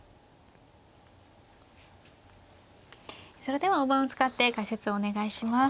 それでは大盤を使って解説をお願いします。